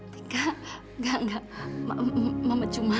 tika enggak enggak mama cuma